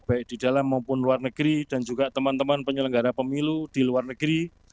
baik di dalam maupun luar negeri dan juga teman teman penyelenggara pemilu di luar negeri